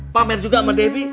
pamer juga sama debi